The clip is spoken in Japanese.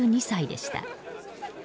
８２歳でした。